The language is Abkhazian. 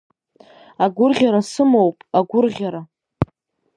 Агәырӷьара сымоуп, агәырӷьара!